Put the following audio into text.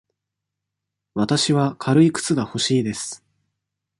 わたしは軽い靴が欲しいです。